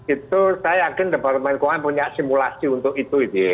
itu saya yakin departemen keuangan punya simulasi untuk itu